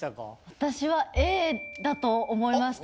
私はＡだと思いました。